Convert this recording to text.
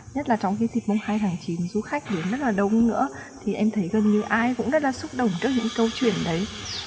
nhất là trong dịp mùng hai tháng chín du khách đến rất là đông nữa thì em thấy gần như ai cũng rất là xúc động trước những câu chuyện đấy